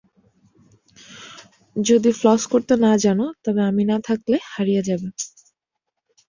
যদি ফ্লস করতে না জানো তবে আমি না থাকলে হারিয়ে যাবে।